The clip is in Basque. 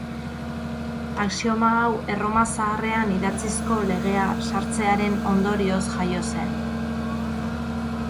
Axioma hau Erroma zaharrean idatzizko legea sartzearen ondorioz jaio zen.